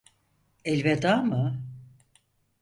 Elveda mı?